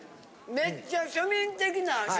めっちゃ庶民的な味。